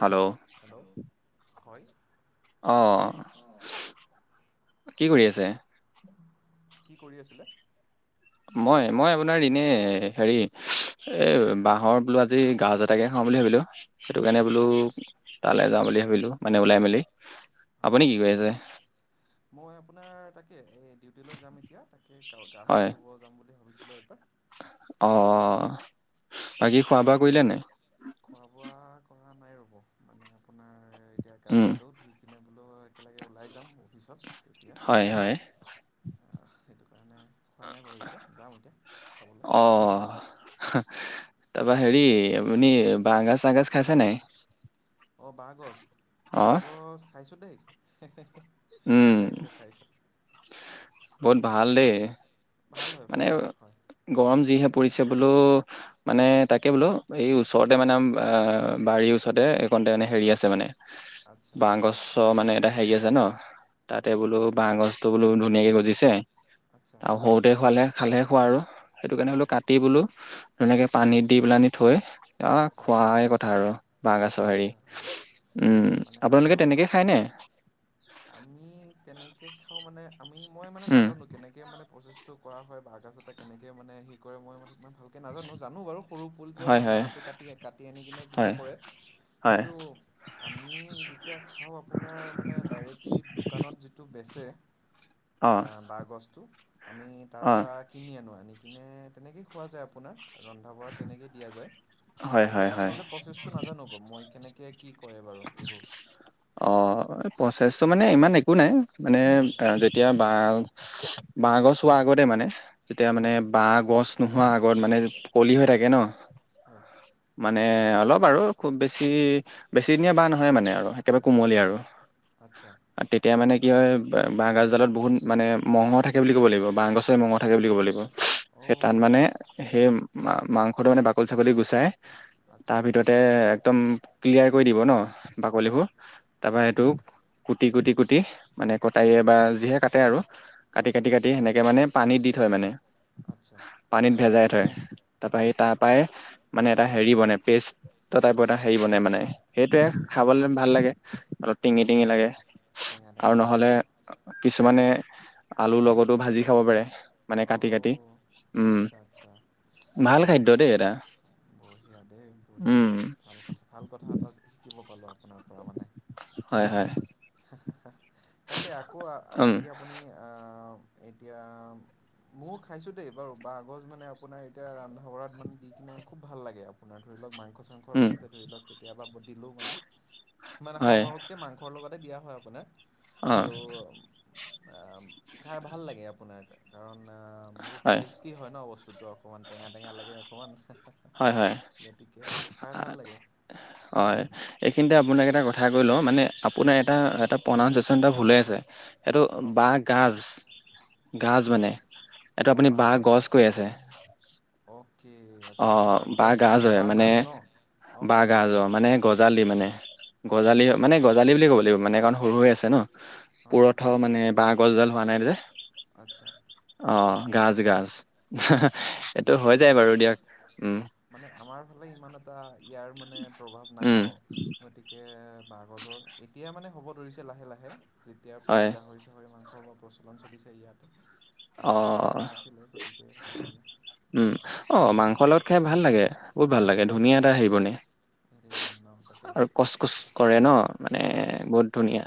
Hello! Hello! হয়। অ', কি কৰি আছে? কি কৰি আছিলে? মই মই আপোনাৰ ইনে হেৰি এ বাঁহৰ বোলো আজি গাঁজ তাকে খাওঁ বুলি ভাবিলো। সেইটো কাৰণে বোলো আচ্ছা তালৈ যাওঁ বুলি ভাবিলো মানে ওলাই মেলি। আপুনি আচ্ছা কি কৰি আচ্ছা। আছে? মই আপোনাৰ তাকে এই ডিউটি লৈ যাম এতিয়া। এই গাঁও গা চা হয় ধুব যাম বুলি ভাবিছিলোঁ এইবাৰ। অ', বাকী খোৱা বোৱা কৰিলেনে নাই? খোৱা-বোৱা কৰা নাই ৰ'ব। মানে আপোনাৰ এতিয়া উম, গা-পা ধো ধুই কিনে বোলো একেলগে ওলাই যাম অফিচত তেতিয়া। হয় হয় আহ, সেইটো কাৰণে খোৱা নাই বাৰু এতিয়া, যাম এতিয়া খাবলৈ। তাৰাপা হেৰি আপুনি বাঁহগাজ চাগাজ খাইছে নাই? অ', বাঁহগছ অ' বাঁহগছ খাইছোঁ দেই। উম, খাইছোঁ খাইছোঁ বহুত ভাল দেই। ভাল হয়, মানে ভাল হয়। হয়। গৰম যিহে পৰিছে বোলো, মানে তাকে বোলো এই ওচৰতে হয় মানে আ বাৰীৰ ওচৰতে এইকণতেনে হেৰি আছে মানে আচ্ছা বাঁহ গছ ত' মানে এটা হেৰি আছে ন, অঁ তাতে বোলো বাঁহ গছটো বোলো ধুনীয়াকে গজিছে। আচ্ছা আৰু সৰুতে খোৱালে খালেহে খোৱা আৰু। সেইটো কাৰণে বোলো অঁ কাটি বোলো ধুনীয়াকে অঁ পানীত দি পেলাই আনি থৈ আহ আচ্ছা খোৱাহে কথা আৰু। বাঁহগাছৰ হেৰি আচ্ছা উম, আপোনালোকে তেনেকে খায়নে? আমি তেনেকে খাওঁ মানে আমি মই মানে উম নাজানো মানে কেনেকে মানে প্ৰচেছটো কৰা হয় বাঁহগাজ এটা কেনেকৈ মানে হে কৰে মই মানে ইমান ভাল কে নাজানো জানো বাৰু সৰু ফুল যে হয় মানে হয় বাঁহটো কাটি কাটি আনি কিনে কিবা হয় কৰে। হয় কিন্তু আমি যেতিয়া খাওঁ আপোনাৰ ডাইৰেক্টলি দোকানত যিটো বেচে অ বাঁহগাজটো আমি অ তাৰপৰা কিনি আনো আনি কিনে তেনেকৈ খোৱা যায় আপোনাৰ। ৰন্ধা বঢ়া তেনেকেই দিয়া যায় হয় কিন্তু হয় হয় আচলতে প্ৰচেছটো নাজানো বাৰু মই কেনে কে কি কৰে বাৰু এইবোৰ। অ' প্ৰচেছটো মানে ইমান একো নাই মানে হয় যে তিয়া বাঁ বাঁহ গছ হোৱা আগতে মানে যেতিয়া মানে হয় বাঁহ গছ নোহোৱা আগত মানে কলি হৈ থাকে ন। হয়। মানে অলপ আৰু খুব বেছি বেছিদিনিয়া বাঁহ নহয় মানে আৰু। একবাৰে কোমলিয়া আৰু। আচ্ছা তেতিয়া মানে কি হয় বাঁহগছডালত বহুত মানে মঙহ থাকে বুলি ক'ব লাগিব, বাঁহ গাজত মঙহ থাকে বুলি ক'ব লাগিব। সেই তাত অ' মানে সেই মাংসটো মানে বাকলি চাকলি গুচাই আচ্ছা তাৰ ভিতৰতে একদম ক্লিয়াৰ কৰি দিব ন অ' বাকলিবোৰ। অ' তাৰপৰা সেইটো কুটি কুটি কুটি মানে অ' কটাৰীয়ে বা যিহে কাটে আৰু। কাটি, অ' কাটি, কাটি সেনেকে মানে পানী দি থয় মানে। আচ্ছা। পানীত ভেজাই থয় তাৰপৰা হে অ' তাৰপৰায় এটা হেৰি বনে পেষ্ট টাইপৰ এটা হেৰি বনে মানে সেইটোৱে অ'কে খাবলৈ ভাল লাগে। অলপ টিঙি টিঙি লাগে টেঙা টেঙা আৰু লাগে নহ'লে অ' কিছুমানে আলুৰ লগতো ভাজি খাব পাৰে। মানে অ' কাটি কাটি উম আচ্ছা আচ্ছা ভাল খাদ্য দেই এটা। বঢ়িয়া দেই বঢ়িয়া উম ভাল কথা ভাল কথা এটা শিকিব পালো আপোনাৰ পৰা মানে। হয়, হয়। তাকেই আকৌ উম বাকী আপুনি আ এতিয়া ময়ো খাইছো দেই বাৰু বাঁহগজ মানে আপোনাৰ এতিয়া ৰন্ধা বঢ়াত মানে দি কিনে খুব ভাল লাগে আপোনাৰ ধৰি লওক মাংস চাং স উম লগতে ধৰি লোৱা কেতিয়াবা দিলো মানে মানে হয় সৰহকে মাংসৰ লগ তে দিয়া হয় আপোনাৰ অ ত' খাই ভাল লাগে আপোনাৰ। কাৰণ বহুত হয় টেষ্টি হয় ন বস্তুটো অকণমান টেঙা টেঙা লাগে অকণমান। হয় হয় গতিকে খাই ভাল লাগে। হয়। এইখিনিতে আপোনাক এটা কথা কৈ লওঁ মানে আপোনাৰ এটা, এটা প্ৰনাউনচিয়েচন এটা ভুল হৈ আছে। এইটো অঁ বাঁহ গাজ, গাজ মানে এইটো অঁ আপুনি বাঁহ বাঁহগছ গজ কৈ আছে। অকে। আচ্ছা অ' বাঁহগছ ন বাঁহগাজ হয় বাঁহ মানে গাজ ন অঁ হয় হয় বাঁহগাজ হয় অ' মানে গজালি মানে, গজালি অ'কে মানে গজালি বুলি ক'ব লাগিব মানে কাৰণ সৰু হৈ আছে ন। অঁ অঁ পুৰঠ মানে বাঁহ গছডাল হোৱা নাই যে। আচ্ছা। অ' গাজ গাজ অ'কে ঠিক এইটো হৈ আছে যায় ভালে বাৰু দিয়া উম। মানে আমাৰ ফালে ইমান এটা ইয়াৰ মানে প্ৰভাৱ নাই উম ন'। গতিকে বাঁহ গজৰ, এতিয়া মানে হ'ব ধৰিছে লাহে লাহে, যেতিয়া পূৰা হয় গাহৰি চাহৰি মাংস অলপ প্ৰচলন চলিছে ইয়াতে, অ আগতে নাছিলে গতিকে সেইটো কাৰণে উম, অ', মাংসৰ লগত খাই ভাল লাগে, বহুত ভাল লাগে, ধুনীয়া এটা হেৰি বনে। [unintelligible] বনে ন। তাকে আৰু কচ, কুছ কৰে ন', মানে গছ গছ বহুত ধুনীয়া।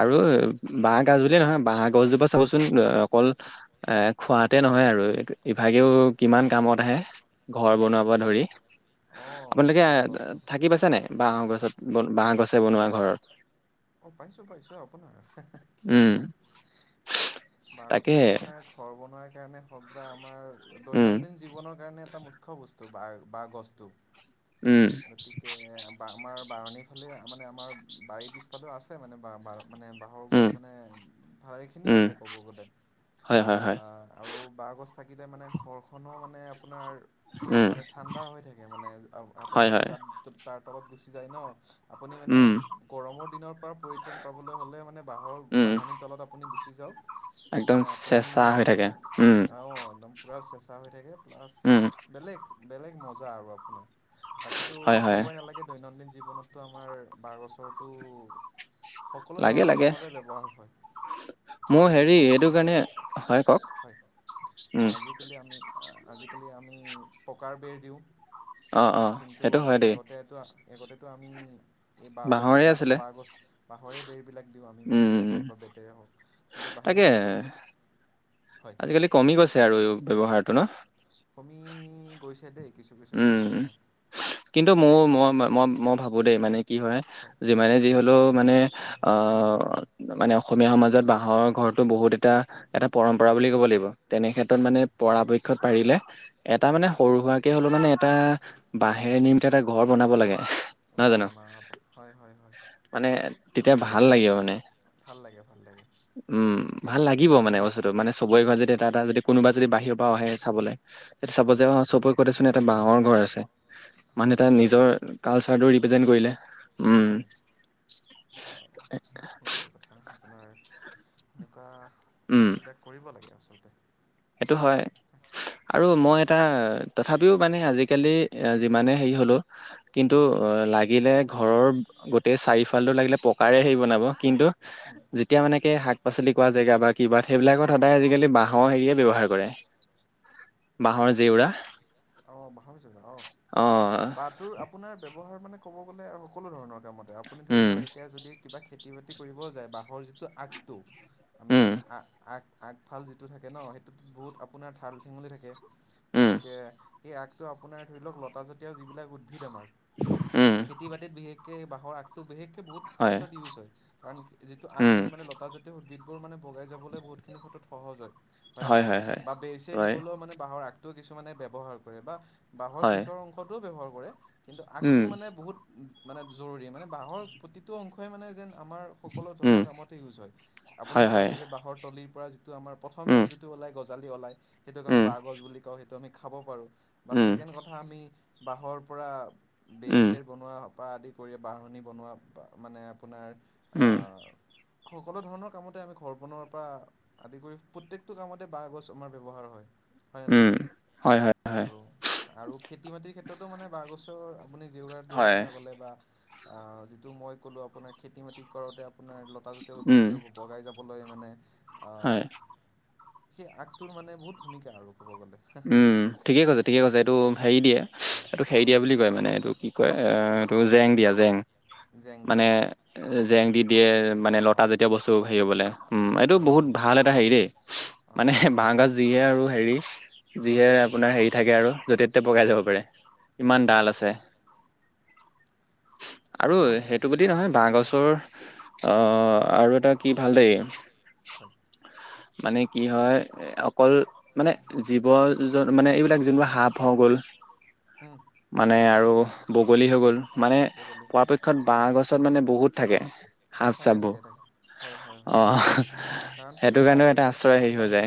আৰু বাঁহ গাজ বুলিয়ে নহয়, বাঁহ গছজোপা চাবচোন অকল এ, খোৱাতে নহয় আৰু ইভাগেও কিমান কামত আহে। ঘৰ বনোৱাৰ পৰা ধৰি। অঁ আপোনলোকে বাঁহ গছটোৰ কথা থাকি ক'লোঁ। পাইছেনে, বাঁহ গছত, বন বাঁহ গছে বনোৱা ঘৰ? অঁ, পাইছোঁ, পাইছোঁ, আপোনাৰ কিয় উম নাপাম, তাকে বাঁহগছটো আপোনাৰ ঘৰ বনোৱাৰ কাৰণে হওঁক বা আমাৰ উম দৈনন্দিন জীৱনৰ কাৰণে এটা মু খ্য বস্তু বাৰ বাহ গছটো। উম। গতিকে বা আমাৰ বাৰনীৰ ফালে, মানে আমাৰ বাৰীৰ পিছফালেও আছে মানে বাৰ বাৰ মানে বাঁহৰ গছ উম মানে, ভালেখিনি উম আছে ক'ব গ'লে, হয় হয় হয় আ আৰু বাহগছ থাকিলে মানে, ঘৰখনো মানে আপোনাৰ ভা উম মানে ঠাণ্ডা হৈ থাকে মানে, আ, আপুনি হয় যদি হয় তাত তাৰ তলত গুচি যায় ন' আপুনি মানে উম গৰমৰ দিনৰ পৰা পৰিত্ৰাণ পাবলৈ হ'লে মানে বাঁহৰ, উম বাঁহনিৰ তলত আপুনি গুচি যাওক একদম মানে আপুনি, চেঁচা হৈ থাকে উম অ', একদম। পূৰা চেঁচা হৈ থাকে, প্লাছ, উম বেলেগ, বেলেগ মজা আৰু আপোনাৰ। বাকীতো হয় হয় ক'বই নালাগে, দৈনন্দিন জীৱনতটো আমাৰ বাঁহ গছৰটো সকলো লাগে ধৰণৰ লাগে কামতে ব্যৱহাৰ হয়। মোৰ আজি হেৰি আমি, এইটো কাৰণে হয় কওক হয়, অ', উম আজি কালি আমি, আজিকালি আমি পকাৰ বেৰ দিওঁ। অ অ কিন্তু সেইটো হয় দেই আগতেতো, আগতেতো আমি, এই বাহ গছ বাঁহৰে বাহ আছিলে বাঁহ গছ, বাঁহৰে বেৰবিলাক দিওঁ আমি, বাঁহেৰে হওঁক উম বা বেতেৰে হওঁক। ত', তাকে বাহেৰে [unintelligible] যথেষ্ট হয় কালি কমি গৈছে আৰু ব্যৱহাৰটো ন'। কমি গৈছে দেই, কিছু, কিছু ক্ষেত্ৰত উম আমাৰ। কিন্তু মোৰ, মই, মই, মই ভাবো দেই মানে কি হয় হয়। যিমানে যি হ'লেও মানে, আহ মানে অসমীয়া সমাজত বাঁহৰ ঘৰটো, বহুত এটা, এটা পৰম্প পৰা বুলি ক'ব লাগিব, তেনেক্ষেত্ৰত হয় মানে হয় পৰাপক্ষত পাৰিলে এটা মানে সৰু সুআকে হ'লেও মানে, এটা বাঁহেৰে নিৰ্মিত এটা, ঘৰ বনাব লাগে। নহয় ঘৰ জানো বনাব, অ', হয়, হয়, হয়। মানে, তেতিয়া ভাল লাগে মানে। ভাল লাগে, ভাল লাগে। উম, ভাল লাগিব মানে আৰু [unintelligible] মানে চবৰে ঘৰত যদি এটা, হয় এটা যদি, কোনোবা যদি বাহিৰৰ পৰাও আহে চাবলে, তেতিয়া চাব অঁ যে অ' চব [unintelligible] চোন এটা বাঁহৰ ঘৰ আছে, মানুহ হয় এটা নিজৰ কালচাৰটো ৰিপ্ৰেজেন্ট কৰিলে উম হয়, আ সেইটোৱেই কথা। [unintelligible] আপোনাৰ সেনেকুৱা উম কামবিলাক কৰিব লাগে আচলতে। সেইটো হয় আৰু মই এটা, তথাপিও মানে আজিকালি এয়া, যিমানে হেৰি হ'লেও, কিন্তু হয় অ', লাগিলে ঘৰৰ গোটেই চাৰিফ ফালটো পকাৰে হেৰি বনাব, কিন্তু এতিয়া মানে শাক পাচলি কৱা জেগা বা কিবা সেইবিলাকত সদায় আজি কালি বাঁহৰ হেৰিয়ে। ব্যৱহাৰ কৰে বাঁহৰ জেউৰা। অঁ বাহঁৰ জেওঁয়া অঁ অ বাট তোৰ আপোনাৰ ব্যৱহাৰ মানে ক'ব গ'লে সকলো ধৰণৰ কামতে আপুনি ধৰি লও'ক উম এতিয়া যদি কিবা খেতি বাতি কৰিবও যায়, বাঁহৰ যিটো আগটো আমি উম আ আগ আগফাল যিটো থাকে ন' সেইটোত বহুত আপোনাৰ ঠাল ঠেঙলি থাকে উম গতিকে আগটো আপোনাৰ ধৰি লও'ক লতা জাতীয় যি বিলাক উদ্ভিদ উম খেতি বাতিত বিশেষ কে বাঁহৰ আগটো বিশেষকছ বহুত হয় ক্ষেত্ৰত ইউজ হয়। কাৰণ যিটো উম আগটোত মানে লতাজাতীয় উদ্ভিত বোৰ মানে বগাই যাবলৈ বহুত খিনি ক্ষেত্ৰত সহজ হয়। নে হয় নহয় হয় হয় বা বেৰচেৰ হয় দিবলৌ মানে বাঁহৰ আগটোও কিছুমানে ব্যৱহাৰ কৰে বা বাঁহৰ হয় পিছৰ অংশটোও ব্যৱহাৰ কৰে কিন্তু উম আগটোও মানে বহুত মানে জৰুৰী, মানে বাঁহৰ প্ৰতিটো অংশই মানে যেন আমাৰ সকলো উম ধৰণৰ কামতত ইউজ হয়। আপুনি হয় হয় ক'লে যে বাঁহৰ তলিৰ পৰা যিটো আমাৰ প্ৰথমেও উম যিটো ওলাই গছ। জালি ওলাই সেইটোক আমি উম বাঁহগছ বুলি কওঁ, সেইটো আমি খাব পাৰোঁ বা উম ছেকেণ্ড কথা আমি বাঁহৰ পৰা বেৰ উম চেৰ। বনোৱা পা আদি কৰি বাহনি বনোৱা বা মানে আপোনাৰ আ উম সকলো ধৰণৰ কামতে আমি ঘৰ বনোৱাৰ পা আদি কৰি প্ৰত্যেকটো কামতে বাঁহ গছ আমাৰ ব্যৱহাৰ হয় হয়নে উম নহয়? হয় হয়। হয় আৰু আৰু খেতি বাতিৰ ক্ষেত্ৰতো মানে বাঁহ গছৰ আপুনি জেওৰা দিয়াৰ হয় কথা ক'লে বা অ' যিটো মই ক'লো আপোনাৰ খেতি বাতি কৰোতে আপোনাৰ ল লতাজাতীয় উম উদ্ভিদ বগাই যাবলৈ মানে আ হয় সেই আগটোৰ মানে বহুত ভূমিকা আৰু ক'ব গ'লে উম ঠিকে কৈছে ঠিকে কৈছে, এইটো হেৰি দিয়ে এইটোক হেৰি দিয়া হয় বুলি কয় মানে এইটো কি কয় এঁ এটো জেং দিয়া জেং, জেং মানে দিয়া জেং দি দিয়ে মানে লতা অঁ জাতীয় বস্তু হেৰি হ'বলে, উম এইটো হয় বহুত হয় হয় ভাল এটা হেৰি দেই, অঁ মানে বাঁহগাজ যিয়ে আৰু হেৰি। যিহে হয় হয় আপোনাৰ হেৰি থাকে আৰু যতে ত'তে বগাই তাকে যাব পাৰে, তাকে ইমান ডাল তাকে আছে। তাকে [unintelligible] আৰু সেইটো বুলি নহয় বাঁহ গছৰ, অঁহ আৰু এটা ভাল দেই। হয়। মানে কি হয় অকল মানে জীৱ জন মানে এইবিলাক যোনবোৰ সাপ হ গ'ল। হেঁহ মানে আৰু বগলী হৈ গ'ল মানে বগলী পৱাপক ত বাঁহ গছত মানে বহুত থাকে, সাপ থাকে চাপবোৰ থাকে থাকে হয় হয় হয় অঁহ। কাৰণ ঠাণ্ডা পৰিৱেশ ঠাণ্ডা পৰি,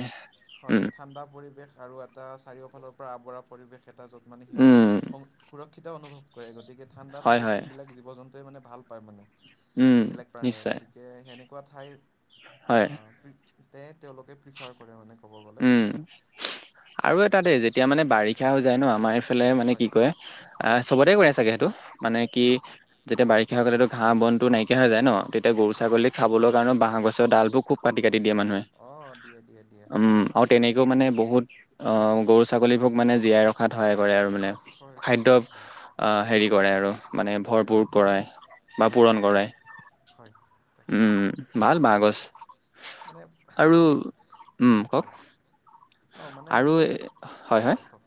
উম হয়। ঠাণ্ডা পৰিৱেশ আৰু এটা চাৰিওফালৰ পৰা আৱৰা পৰিৱেশ এটা য'ত মানে উম সিহঁত সুৰক্ষিত অনুভৱ কৰে, গতিকে ঠাণ্ডা হয় হয় ঠাইত এইবিলাক জীৱ জন্তুৱে মানে ভাল পায় মানে। উম এইবিলাক প্ৰাণীয়ে নিশ্চয় গতিকে সেনেকুৱা ঠাই হয় তেওঁলোকে প্ৰিফাৰ কৰে। কৰে মানে ক'ব গ'লে। উম আৰু এটা দেই যেতিয়া মানে বাৰিষা হৈ যায় ন' আমাৰ ইফালে মানে হয় কি কয় আহ চবতে কৰা চাগে সেইটো, মানে কি হয় যেতিয়া বাৰিষা হৈ ভুৰবন গ'লেটো ঘাঁহ বনটো নাইকা কে হৈ যায় ন তেতিয়া গৰু হয় ছাগলী খাবৰ কাৰণে বাঁহ গছ ডালবোৰ খুব কাটি কাটি দিয়ে মানুহে। অ দিয়ে দিয়ে। দিয়ে উম হয় আৰু বাহ তেনেকৈও মানে বহুত অ গৰু-ছাগলীবোৰ মানে জীয়াই ৰখাত সহায় কৰে আৰু মানে। হয় হয় হয় হয়। আ হেৰি কৰে আৰু মানে হয় ভৰপূৰ হয় কৰায় বা হয় পূৰণ হয় কৰে। হয় হয় তাকে উম, ভাল ভাল গছ মানে আৰু উ, কওঁক অ মানে আপোনাৰ হয় ক'ক,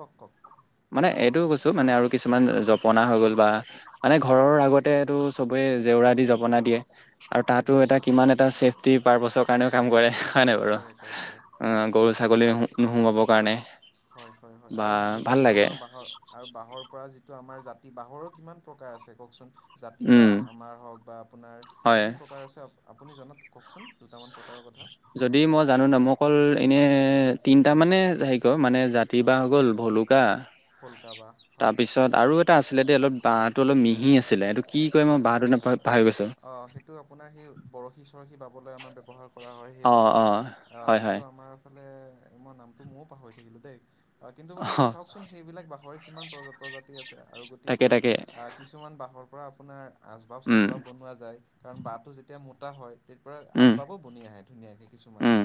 ক'ক ক'ক? মানে এইটোও কৈছো মানে আৰু কিছুমান জপনা হৈ গ'ল বা মানে ঘৰৰ আগতে এটো চবেই জেওৰা দি জপনা দিয়ে। আৰু হয় তাতো এটা কিমান এটা ছেফটি পাৰ পাচক কাৰণেও কাম কৰে হয়নে নাই বাৰু? কৰে কৰে কৰে অ গৰু-ছাগলী আৰু নোসোমাৱৰ কাৰণে। হয় হয় বা আৰু বিভিন্ন ভাল লাগে ধৰণৰ বা হ আৰু বাঁহৰ পৰা যিটো আমাৰ জাতি বাঁহৰো কিমান প্ৰকাৰ আছে কওঁকচোন? জাতি উম বাঁহ আমাৰ হওঁক বা আপোনাৰ হয় কি কি প্ৰকাৰ আছে, আপ আপুনি জনাত কওকচোন দুটামান প্ৰকাৰৰ কথা। যদি মই জানো ন, মই অকল এনে উম, তিনটা মানে হেৰি ক মানে জা তি অঁ বাহ হৈ গ'ল, ভলুকা ভোলকা বাঁহ হয় তাৰপিছ তত আৰু এটা আছিলে দেই অলপ বাঁহটো অলপ মিহি আছিলে, এইটো কি কয় মই বাঁহটো নাম পাহৰি গৈছো। টো আপোনাৰ সে বৰশী চৰশী বাবলৈ আমাৰ ব্যৱহাৰ কৰা হয় সেই বাঁহটো। অ হয় সেইটো হয় আমাৰ ফালে মই নামটো ময়ো পাহৰি থাকিলোঁ দেই। কিন্তু অ মানে চাওকচোন সেইবিলাক বাঁহৰে কিমান প্ৰজা প্ৰজাতি আছে আৰু তাকে গতিকে তাকে আ কিছুমান বাঁহৰ পৰা আপোনাৰ উম আচবাব-চাচবাব বনোৱা যায়। কাৰণ বাঁহটো যেতিয়া মোটা হয় তেত পৰা উম আচবাবো বণী আহে ধুনীয়াকে কিছুমান। উম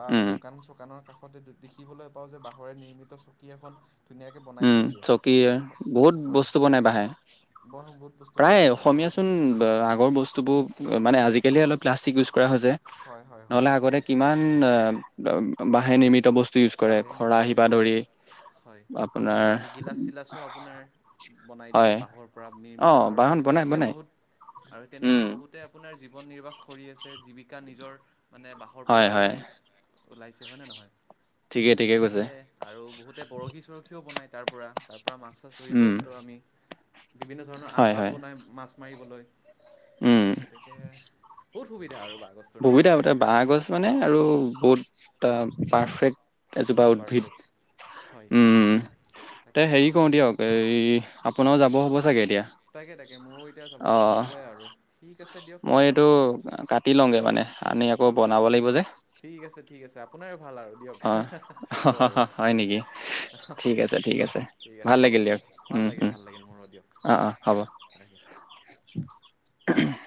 বা আমি উম দোকান চোকানৰ কাষতে দেখিবলৈ পাওঁ যে বাঁহৰে নিৰ্মিত চকী এখন ধুনীয়াকৈ বনাই উ, থৈ দিয়ে চকী বহুত হয় বস্তু বনাই বাঁহে। বৰ বহুত বস্তু প্ৰায় বনায় অসমীয়া গতিকে চোন বা আগৰ বস্তুবো মানে আজি কালি হে অলপ প্লাষ্টিক ইউজ কৰা হৈ যায়, হয় হয় হয় নহ'লে আগতে কিমান বাঁহে নিৰ্মিত বস্ত বাঁহেৰ নিৰ্মিত বস্তু আছ, হয় আপোনাৰ বা আমি গিলাচ চিলাচো আপোনাৰ বনাই হয় দিয়ে বাঁহৰ পৰা অ নিৰ্মিত আৰু বাহন বনাই সেনেকুৱাকে বনাই বহুত আৰু উম তেনেকেই বহুতে আ আপোনাৰ জীৱন নিৰ্বাহ কৰি আছে। জীৱিকা নিজৰ মানে বাঁহৰ পৰা হয় হয় ওলায়। ওলাইছে হয়নে নহয়? ঠিকে ঠিকেই ক কে আৰু বহুতে বৰশী চৰশীও বনায় তাৰপৰা। তাৰ পৰা মাছ চাছ ধৰিবও উম পাৰু আমি বিভিন্ন ধৰণৰ হয় আচবাব হয় বনাই মাছ মাৰিবলৈ। উম গতিকে বহুত সুবিধা আৰু বাঁহ গছটোৰ নে সুবিধা কি। বাঁহ গছ মানে আৰু বহুত তা পাৰফেক্ট। এজোপা উদ্ভিদ, পাৰফেক্ট হয় উ হয় তে তাকে হেৰি কওঁ দিয়ক এই আপোনাৰও যাব'ৰ হব চাগে এতিয়া তাকে তাকে, মোৰো এতিয়া যাব অ হ'বই আৰু। ঠিক আছে দিয়ক মই নহ'লে এইটো আমি কাটি লওগে মানে আনি আকৌ অহ বনাব লাগিব যে। ঠিক আছে, ঠিক আছে আপোনাৰে ভাল আৰু। দিয়ক অ হা হা খাব আৰু, হয় নেকি হ ঠিক হ আছে ঠিক আছে ঠিক আছে ভাল দিয়ক। লাগিল ভাল উম লাগিল, উম ভাল লাগিল মোৰো দিয়ক অ অ হয় হ'ব ৰাখিছো। [unintelligible]